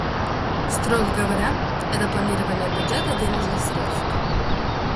Строго говоря, это планирование бюджета денежных средств.